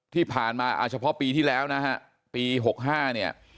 ที่ผ่านมาเอาเฉพาะปีที่แล้วนะฮะปี๖๕เนี่ย